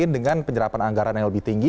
dengan penyerapan anggaran yang lebih tinggi